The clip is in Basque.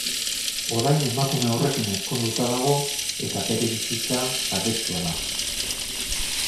Orain emakume horrekin ezkonduta dago eta bere bizitza baketsua da.